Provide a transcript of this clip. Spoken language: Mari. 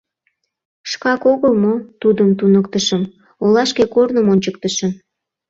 Шкак огыл мо тудым туныктышым, олашке корным ончыктышым?